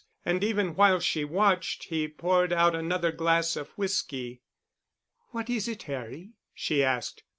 And even while she watched he poured out another glass of whisky. "What is it, Harry?" she asked.